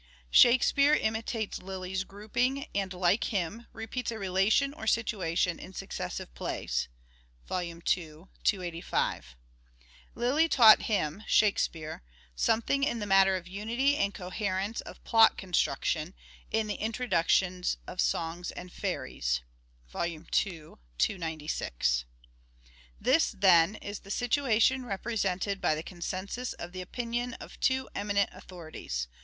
Shakespeare imitates Lyly's grouping and, like him, repeats a relation or situation in successive plays" (II. 285). " Lyly taught him (Shakespeare) something in the matter of unity and coherence of plot construc tion, in the introduction of songs and fairies" (II. 296). This, then, is the situation represented by the consenus of opinion of two eminent authorities.